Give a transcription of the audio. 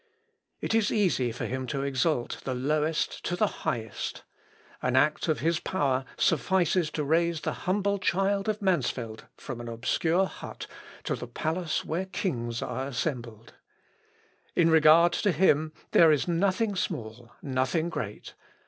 It is easy for him to exalt the lowest to the highest. An act of his power suffices to raise the humble child of Mansfeld from an obscure hut to the palace where kings are assembled. In regard to Him, there is nothing small, nothing great.